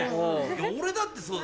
俺だってそうだろ。